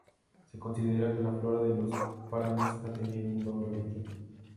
Se considera que la flora de los páramos ha tenido un doble origen.